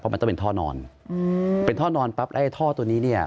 มันต้องเป็นท่อนอนอืมเป็นท่อนอนปั๊บไอ้ท่อตัวนี้เนี่ย